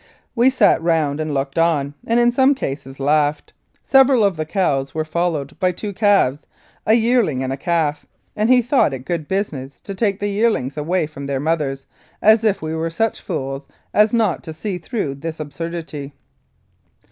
We sat round and looked on, and, in some cases, laughed. Several of the cows were followed by two calves a yearling and a calf, and he thought it good business to take the yearlings away from their mothers, as if we were such fools as not to see through this absurdity.